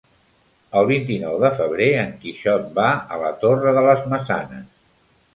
El vint-i-nou de febrer en Quixot va a la Torre de les Maçanes.